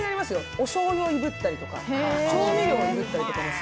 おしょうゆをいぶったりとか、調味料をいぶったりとか。